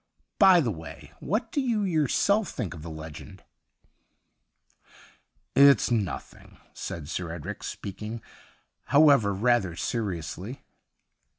By the way, what do you yourself think of the legend ?'' It's nothing,' said Sir Edric, speaking, however, rather seriously.